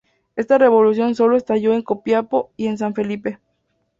Esta revolución sólo estalló en Copiapó y en San Felipe.